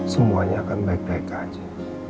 semuanya akan baik baik aja